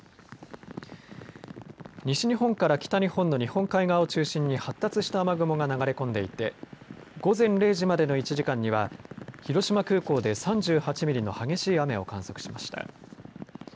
西日本から北日本の日本海側を中心に発達した雨雲が流れ込んでいて、午前０時までの１時間には広島空港で３８ミリの激しい雨を観測しました。